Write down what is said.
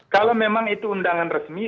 kalau memang itu undangan resmi